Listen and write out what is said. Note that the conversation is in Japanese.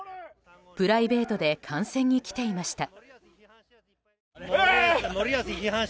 プライベートで観戦に来ていました。